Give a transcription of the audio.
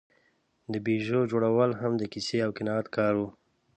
د پيژو جوړول هم د کیسې او قناعت کار و.